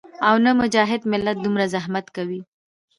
او نۀ مجاهد ملت دومره زحمت کوي